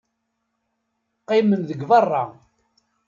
Qqimem deg beṛṛa.